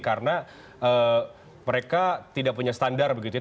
karena mereka tidak punya standar begitu ya